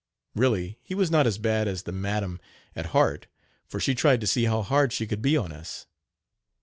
Really he was not as bad as the madam at heart, for she tried to see how hard she could be on us.